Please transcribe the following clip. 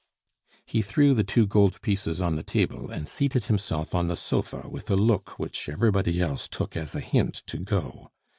He threw the two gold pieces on the table, and seated himself on the sofa with a look which everybody else took as a hint to go.